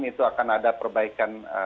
itu akan ada perbaikan